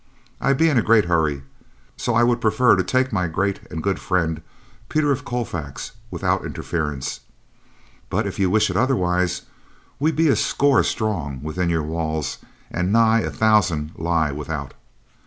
I be in a great hurry, so I would prefer to take my great and good friend, Peter of Colfax, without interference; but, if you wish it otherwise; we be a score strong within your walls, and nigh a thousand lie without.